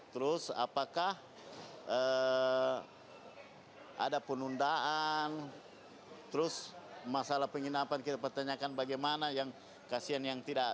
terus apakah ada penundaan terus masalah penginapan kita pertanyakan bagaimana yang kasihan yang tidak